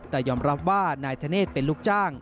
แต่ยอมรับว่านายธเนธเป็นลูกจ้าง